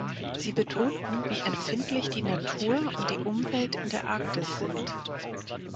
Sie betonten, wie empfindlich die Natur und die Umwelt in der Arktis sind.